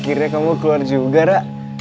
akhirnya kamu keluar juga rak